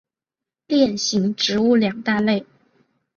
链型植物两大类。